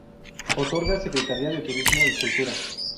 Otorga: Secretaría de Turismo y Cultura.